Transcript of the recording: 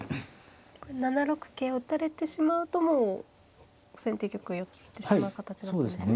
これ７六桂を打たれてしまうともう先手玉寄ってしまう形だったんですね。